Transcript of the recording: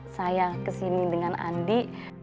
saya kesini dengan andi